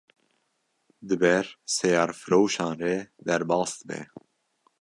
di ber seyarfiroşan re derbas dibe